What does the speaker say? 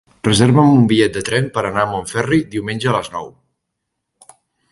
Reserva'm un bitllet de tren per anar a Montferri diumenge a les nou.